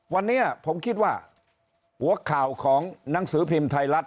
วันนี้ผมคิดว่าหัวข่าวของหนังสือพิมพ์ไทยรัฐ